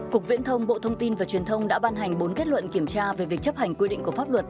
cục viễn thông bộ thông tin và truyền thông đã ban hành bốn kết luận kiểm tra về việc chấp hành quy định của pháp luật